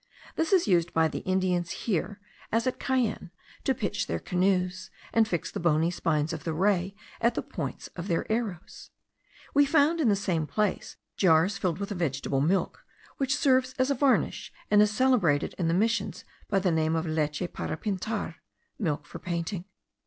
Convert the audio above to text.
This is used by the Indians here, as at Cayenne, to pitch their canoes, and fix the bony spines of the ray at the points of their arrows. We found in the same place jars filled with a vegetable milk, which serves as a varnish, and is celebrated in the missions by the name of leche para pintar (milk for painting).